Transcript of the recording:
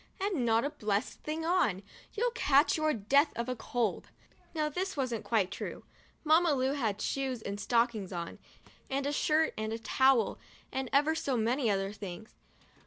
And not a blessed thing on ! You'll catch your death of cold." Now this wasn't quite true. Mamma Lu had shoes and stockings on and a shirt and a towel and ever so many other things.